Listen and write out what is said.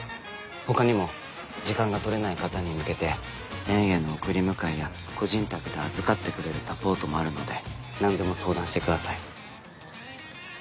他にも時間が取れない方に向けて園への送り迎えや個人宅で預かってくれるサポートもあるので何でも相談してください。